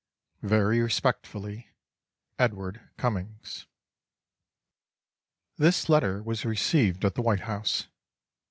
Very respectfully, EDWARD CUMMINGS This letter was received at the White House.